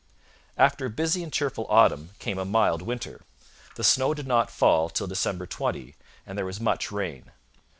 After a busy and cheerful autumn came a mild winter. The snow did not fall till December 20, and there was much rain.